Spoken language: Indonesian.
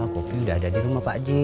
kopi udah ada di rumah pak j